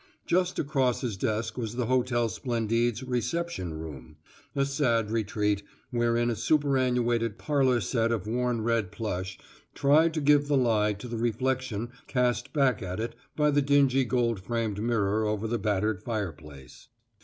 Just across his desk was the Hotel Splendide's reception room a sad retreat, wherein a superannuated parlor set of worn red plush tried to give the lie to the reflection cast back at it by the dingy gold framed mirror over the battered fireplace.